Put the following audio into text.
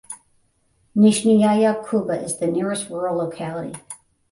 Nizhnyaya Kuba is the nearest rural locality.